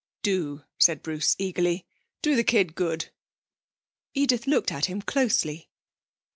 'Do,' said Bruce eagerly; 'do the kid good.' Edith looked at him closely.